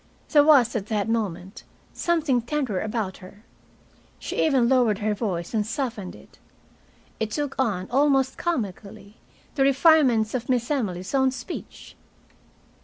There was, at that moment, something tender about her. She even lowered her voice and softened it. It took on, almost comically, the refinements of Miss Emily's own speech.